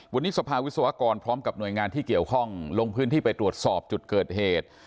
วันนี้สภาวิศวกรพร้อมกับหน่วยงานที่เกี่ยวข้องลงพื้นที่ไปตรวจสอบจุดเกิดเหตุ